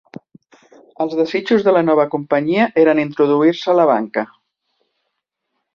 Els desitjos de la nova companyia eren introduir-se a la banca.